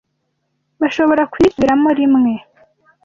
bashobora kuyisubiramo rimwe